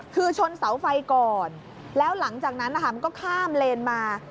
คือชนเสาไฟก่อนแล้วหลังจากนั้นนะคะมันก็ข้ามเลนมา